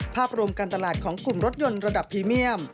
ภาพรวมการตลาดของกลุ่มรถยนต์ระดับพรีเมียม